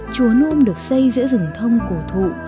chùa nôm được xây giữa rừng thông cổ thụ